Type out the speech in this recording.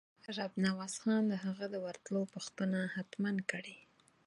رب نواز خان د هغه د ورتلو پوښتنه حتماً کړې.